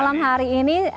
selamat malam hari ini